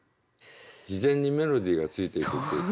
自然にメロディーがついていくっていうか。